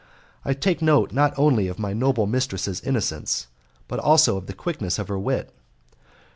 I take note not only of my noble mistress's innocence, but also of the quickness of her wit.